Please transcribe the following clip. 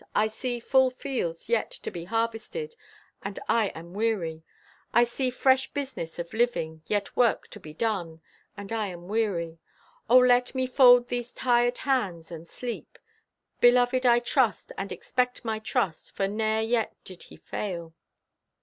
I see full fields yet to be harvested, and I am weary. I see fresh business of living, work yet to be done, and I am weary. Oh, let me fold these tired hands and sleep. Beloved, I trust, and expect my trust, for ne'er yet did He fail."